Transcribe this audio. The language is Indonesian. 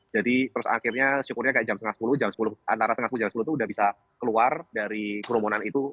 jadi terus akhirnya syukurnya kayak jam sepuluh jam sepuluh antara jam sepuluh dan jam sepuluh itu udah bisa keluar dari kerumunan itu